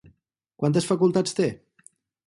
Quantes facultats té?